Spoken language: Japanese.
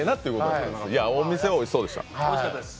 お店はおいしそうでした。